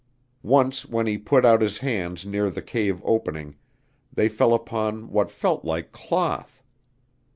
Once when he put out his hands near the cave opening, they fell upon what felt like cloth.